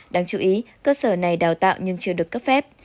đáng chú ý cơ sở này đào tạo nhưng chưa được cấp phép